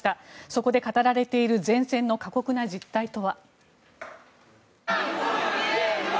そこで語られている前線の過酷な実態とは。